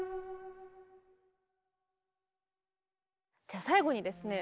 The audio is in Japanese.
じゃあ最後にですね